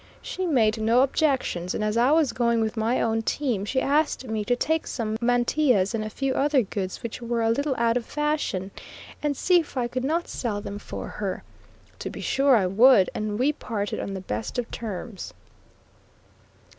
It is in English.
She made no objections, and as I was going with my own team she asked me to take some mantillas and a few other goods which were a little out of fashion, and see if I could not sell them for her. To be sure I would, and we parted on the best of terms.